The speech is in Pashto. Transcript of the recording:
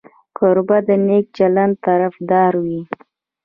کوربه د نیک چلند طرفدار وي.